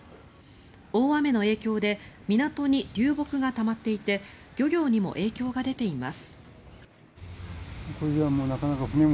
大雨の影響で港に流木がたまっていて漁業にも影響が出ています。